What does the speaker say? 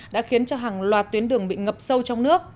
đã khiến cho hàng loạt tuyến đường bị ngập sâu trong nước